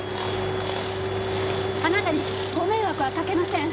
あなたにご迷惑はかけません。